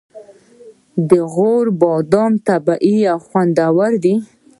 د غور بادام طبیعي او خوندور دي.